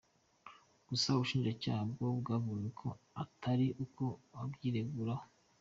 Gusa ubushinjacyaha bwo bukavuga ko atari uko abyireguraho.